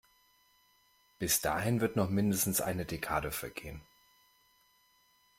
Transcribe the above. Bis dahin wird noch mindestens eine Dekade vergehen.